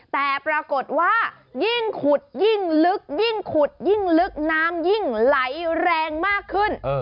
แต่ปรากฏว่ายิ่งขุดยิ่งลึกยิ่งขุดยิ่งลึกน้ำยิ่งไหลแรงมากขึ้น